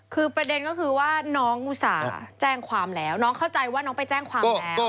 คือประเด็นก็คือว่าน้องอุตส่าห์แจ้งความแล้วน้องเข้าใจว่าน้องไปแจ้งความแล้ว